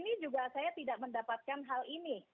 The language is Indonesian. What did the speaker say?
di sini juga saya tidak mendapatkan hal ini